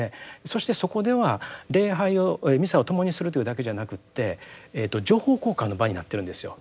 そしてそこでは礼拝をミサを共にするというだけじゃなくて情報交換の場になってるんですよ。